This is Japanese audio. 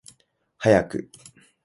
早く